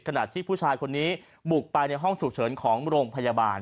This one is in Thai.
ขณะที่ผู้ชายคนนี้บุกไปในห้องฉุกเฉินของโรงพยาบาล